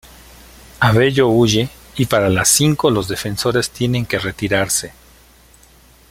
Abello huye y para las cinco los defensores tienen que retirarse.